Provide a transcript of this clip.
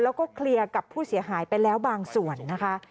แล้วก็เคลียร์กับผู้เสียหายไปแล้วบางส่วนนะคะ